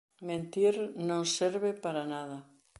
Mentir non serve para nada.